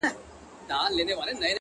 كه ملاقات مو په همدې ورځ وسو’